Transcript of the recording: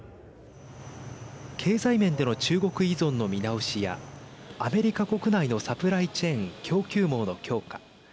経済面での中国依存の見直しやアメリカ国内のサプライチェーン＝供給網の強化